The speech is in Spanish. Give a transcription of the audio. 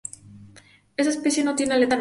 Esta especie no tiene aleta anal.